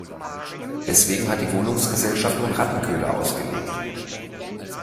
Deswegen hat die Wohnungsgesellschaft nun Rattenköder ausgelegt.